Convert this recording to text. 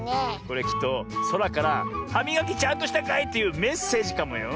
これきっとそらから「はみがきちゃんとしたかい？」というメッセージかもよ。